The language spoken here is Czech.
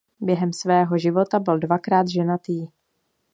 Během svého života byl dvakrát ženatý.